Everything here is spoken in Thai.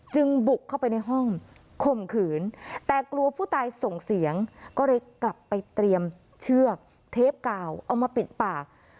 บุกเข้าไปในห้องข่มขืนแต่กลัวผู้ตายส่งเสียงก็เลยกลับไปเตรียมเชือกเทปกาวเอามาปิดปาก